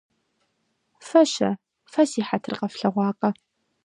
- Фэ-щэ. Фэ си хьэтыр къэфлъэгъуакъэ?